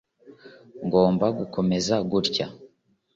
ngomba gukomeza gutya